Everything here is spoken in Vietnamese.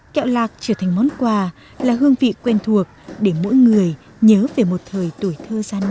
kẹo lạc trở thành món quà là hương vị quen thuộc để mỗi người nhớ về một thời tuổi thơ gian nan nhưng vẫn ấm áp ngọt ngào